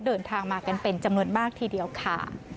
เดินทางมากันเป็นจำนวนมากทีเดียวค่ะ